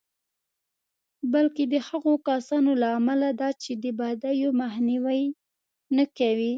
بلکې د هغو کسانو له امله ده چې د بدیو مخنیوی نه کوي.